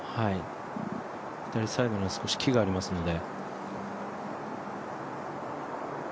左サイドに少し木がありますので。